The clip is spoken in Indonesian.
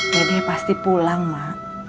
dedek pasti pulang mak